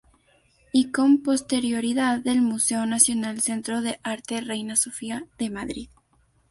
Y con posterioridad del Museo Nacional Centro de Arte Reina Sofía, de Madrid.